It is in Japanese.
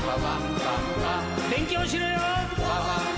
勉強しろよ！